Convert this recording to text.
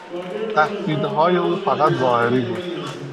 تهدیدهای او فقط ظاهری بود.